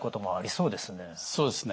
そうですね。